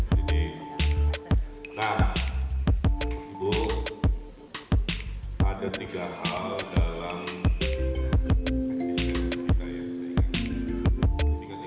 jadi nah ibu ada tiga hal dalam eksistensi kita yang saya inginkan